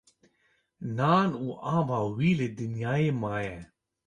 Nan û ava wî li dinyayê maye